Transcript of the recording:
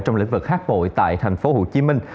trong lĩnh vực hát hội tại thành phố hồ chí minh